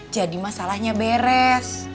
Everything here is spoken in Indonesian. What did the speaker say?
jadi masalahnya beres